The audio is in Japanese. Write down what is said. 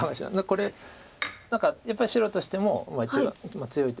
これ何かやっぱり白としても一番強い。